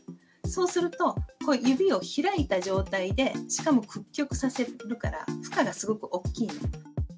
そうすると、指を開いた状態で、しかも屈曲させるから、負荷がすごく大きい。